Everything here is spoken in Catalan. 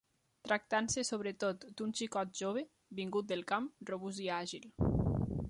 Tractant-se, sobretot, d'un xicot jove, vingut del camp, robust i àgil